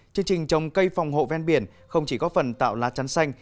chương trình trồng cây phòng hộ ven biển không chỉ có phần tạo lá trắng xanh